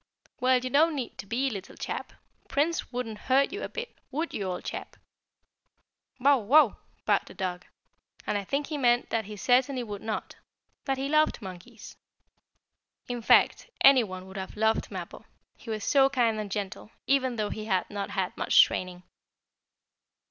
"Well, you don't need to be, little chap. Prince wouldn't hurt you a bit, would you, old chap?" "Bow wow!" barked the dog, and I think he meant that he certainly would not that he loved monkeys. In fact, any one would have loved Mappo, he was so kind and gentle, even though he had not had much training.